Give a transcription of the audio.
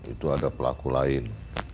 itu ada pelaku lain